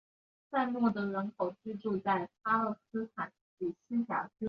圈内笑话中的成员才能领会到笑点的笑话。